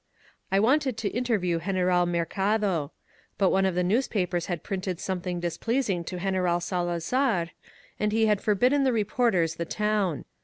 I wanted to interview Greneral Mercado; but one of the newspapers had printed something displeasing to Greneral Salazar, and he had forbidden the reporters the town.